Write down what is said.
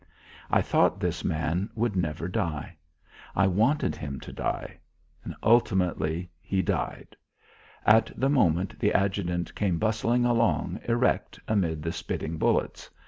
I thought this man would never die. I wanted him to die. Ultimately he died. At the moment the adjutant came bustling along erect amid the spitting bullets.